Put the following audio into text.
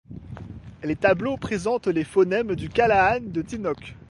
Les tableaux présentent les phonèmes du kallahan de tinoc.